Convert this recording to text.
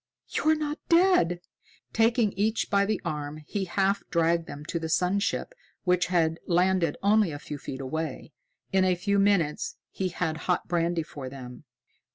"You're not dead?" Taking each by the arm, he half dragged them to the sun ship, which had landed only a few feet away. In a few minutes he had hot brandy for them.